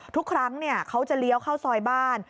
ทุกครั้งเขาจะเลี้ยวเข้าซอยบ้าน